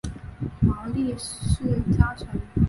毛利氏家臣。